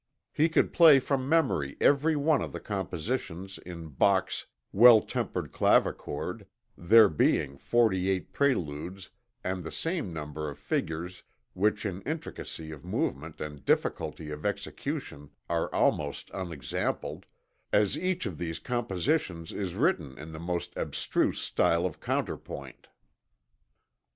He could play from memory every one of the compositions in Bach's 'Well Tempered Clavichord,' there being forty eight preludes and the same number of fugues which in intricacy of movement and difficulty of execution are almost unexampled, as each of these compositions is written in the most abstruse style of counterpoint.